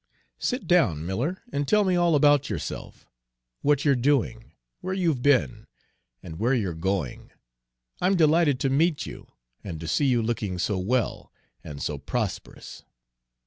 Sit down, Miller, and tell me all about yourself, what you're doing, where you've been, and where you're going. I'm delighted to meet you, and to see you looking so well and so prosperous."